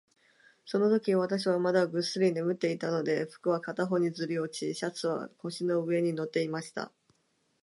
そのとき、私はまだぐっすり眠っていたので、服は片方にずり落ち、シャツは腰の上に載っていました。